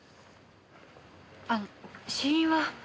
あの死因は。